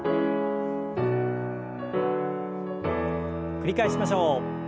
繰り返しましょう。